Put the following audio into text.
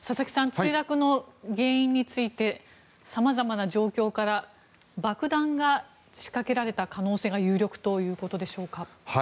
墜落の原因についてさまざまな状況から爆弾が仕掛けられた可能性が有力ということでしょうか。